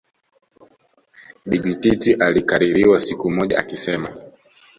Bibi Titi alikaririwa siku moja akisema